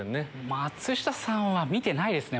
松下さんは見てないですね